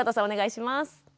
お願いします。